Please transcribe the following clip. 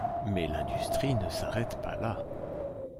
Mais l'industrie ne s'arrête pas là.